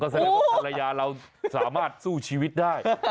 แสดงว่าภรรยาเราสามารถสู้ชีวิตได้